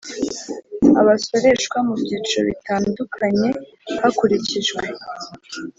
abasoreshwa mu byiciro bitandukanye hakurikijwe